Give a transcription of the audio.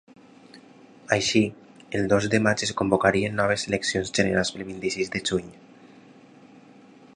Així, el dos de maig es convocarien noves eleccions generals pel vint-i-sis de juny.